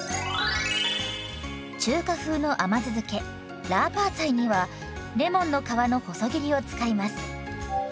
中華風の甘酢漬けラーパーツァイにはレモンの皮の細切りを使います。